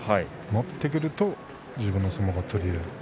乗ってくると自分の相撲が取れる。